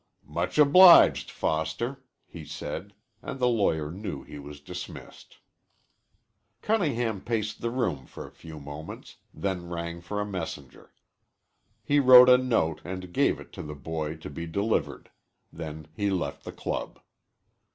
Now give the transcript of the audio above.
"Much obliged, Foster," he said, and the lawyer knew he was dismissed. Cunningham paced the room for a few moments, then rang for a messenger. He wrote a note and gave it to the boy to be delivered. Then he left the club.